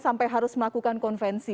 sampai harus melakukan konvensi